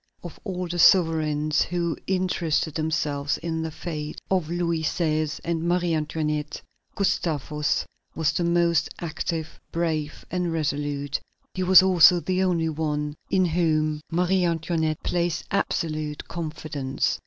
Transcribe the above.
Of all the sovereigns who interested themselves in the fate of Louis XVI. and Marie Antoinette, Gustavus was the most active, brave, and resolute; he was also the only one in whom Marie Antoinette placed absolute confidence.